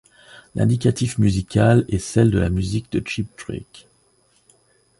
L'indicatif musical est celle de la musique ' de Cheap Trick.